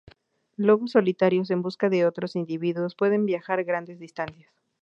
Lobos solitarios en busca de otros individuos pueden viajar grandes distancias.